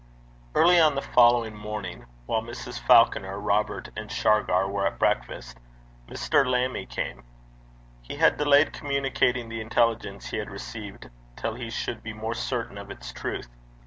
Early on the following morning, while Mrs. Falconer, Robert, and Shargar were at breakfast, Mr. Lammie came. He had delayed communicating the intelligence he had received till he should be more certain of its truth.